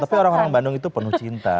tapi orang orang bandung itu penuh cinta